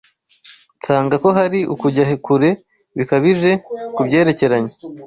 nsanga ko hari ukujya kure bikabije ku byerekeranye